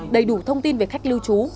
đầy đủ thông tin về khách lưu trú